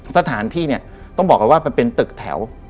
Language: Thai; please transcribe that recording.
สถานที่เนี่ยต้องบอกว่าเป็นตึกแถว